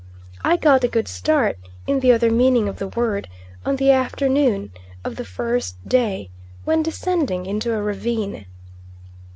I got a good start, in the other meaning of the word, on the afternoon of the first day when descending into a ravine.